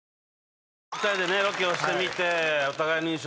２人でロケをしてみてお互いの印象